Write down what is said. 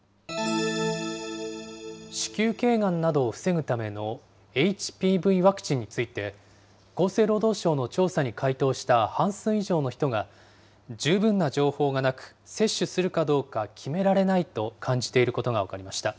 子宮けいがんなどを防ぐためのＨＰＶワクチンについて厚生労働省の調査に回答した半数以上の人が、十分な情報がなく接種するかどうか決められないと感じていることが分かりました。